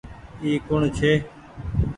اي ڪوڻ ڇي۔